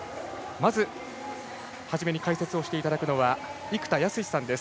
まず、初めに解説をしていただくのは生田泰志さんです。